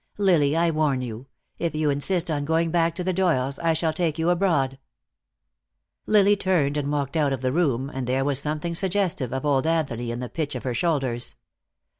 Lily, I warn you, if you insist on going back to the Doyles I shall take you abroad." Lily turned and walked out of the room, and there was something suggestive of old Anthony in the pitch of her shoulders.